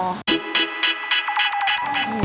ด้วย